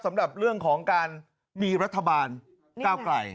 สำหรับเรื่องของการมีรัฐบาลก้าวไกล